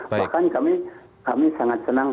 bahkan kami sangat senang